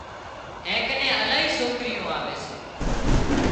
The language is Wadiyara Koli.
اين ڪنين الاهي سوڪريون آوي سي